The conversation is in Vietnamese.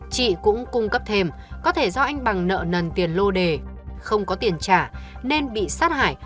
chị cũng cung cấp thêm có thể do anh bằng nợ nần tiền lô đề không có tiền trả nên bị sát hại